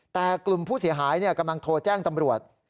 แต่กลุ่มผู้เสียหายกำลังโทรแจ้งตำรวจ